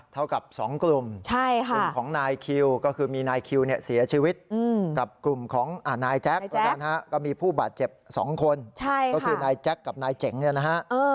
เท่ากับ๒กลุ่มกลุ่มของนายคิวก็คือมีนายคิวเนี่ยเสียชีวิตกับกลุ่มของนายแจ๊คตอนนั้นก็มีผู้บาดเจ็บ๒คนก็คือนายแจ๊คกับนายเจ๋งเนี่ยนะฮะ